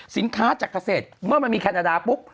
สินค้าจากเกษตรเมื่อมีแคโนดาปุ๊บ